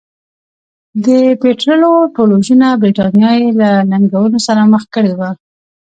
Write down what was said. د پیټرلو ټولوژنه برېټانیا یې له ننګونو سره مخ کړې وه.